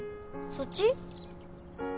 そっち？